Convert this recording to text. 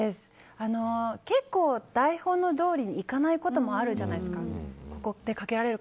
結構、台本どおりにいかないこともあるじゃないですか。